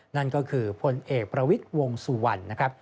นั่นก็คือผลเอกประวิทย์วงสวรรค์